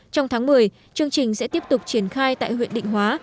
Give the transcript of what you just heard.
trong tháng một mươi chương trình sẽ tiếp tục triển khai tại huyện định hóa